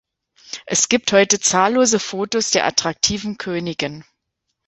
Es gibt heute zahllose Fotos der attraktiven Königin.